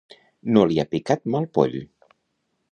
No li ha picat mal poll!